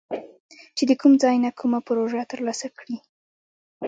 چې د کوم ځای نه کومه پروژه تر لاسه کړي